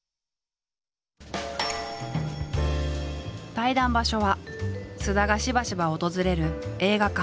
対談場所は菅田がしばしば訪れる映画館。